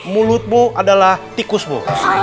mulutmu adalah tikusmu